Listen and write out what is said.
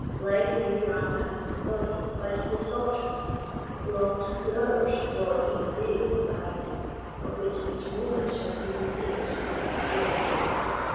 Life may be wrung out of his body by slow tor tnres, prolonged through hours, or even days of agony, of which each moment shall seem an age to him who l)ear3 it.